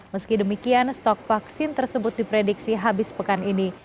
meski demikian stok vaksin tersebut diprediksi habis pekan ini